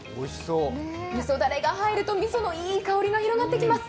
みそだれが入ると、みそのいい香りが広がってきます。